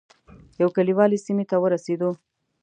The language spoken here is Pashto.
یو کلیوالي سیمې ته ورسېدو.